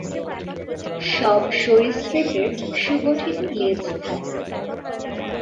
সব সরীসৃপের সুগঠিত লেজ থাকে।